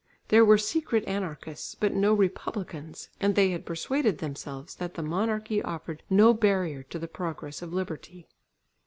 There were secret anarchists, but no republicans, and they had persuaded themselves that the monarchy offered no barrier to the progress of liberty.